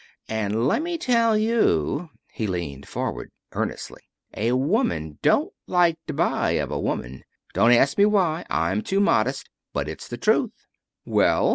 And lemme tell you," he leaned forward earnestly, "a woman don't like to buy of a woman. Don't ask me why. I'm too modest. But it's the truth." "Well?"